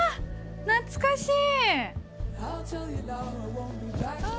懐かしい！